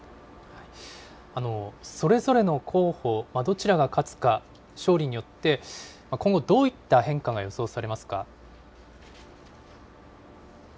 それぞれの候補、どちらが勝つか、勝利によって今後、どういった変化が予想されますか。